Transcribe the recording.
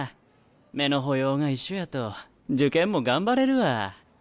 目の保養が一緒やと受験も頑張れるわ。